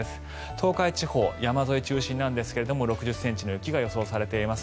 東海地方、山沿い中心なんですが６０ｃｍの雪が予想されています。